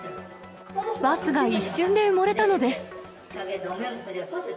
バスが一瞬で埋もれたのです。